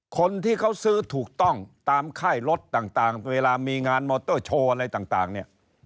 คนที่เขาซื้อถูกต้องตามค่ายรถต่างเวลามีงานมอเตอร์โชว์อะไรต่างเนี่ย